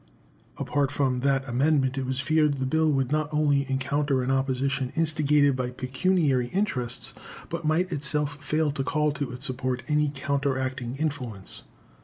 Apart from that amendment, it was feared the bill would not only encounter an opposition instigated by pecuniary interests, but might itself fail to call to its support any counteracting influence.